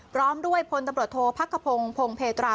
พร้อมด้วยพลตำรวจโทษพักขพงศ์พงเพตรา